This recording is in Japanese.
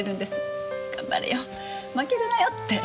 頑張れよ負けるなよって。